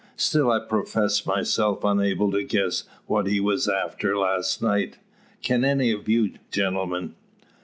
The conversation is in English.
Still I profess myself unable to guess what he was after last night. Can any of you, gentlemen?"